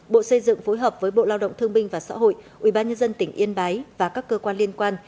bộ xây dựng phối hợp với bộ lao động thương binh và xã hội ubnd tỉnh yên bái và các cơ quan liên quan